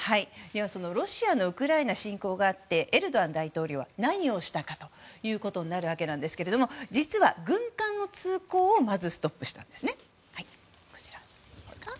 そのロシアのウクライナ侵攻があってエルドアン大統領は何をしたかということになるわけなんですけれど実は、軍艦の通航をまずストップしたんです。